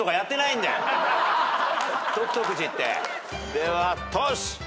ではトシ。